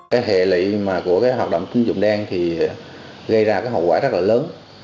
cái hệ lị của cái hoạt động tín dụng đen thì gây ra cái hậu quả rất là lớn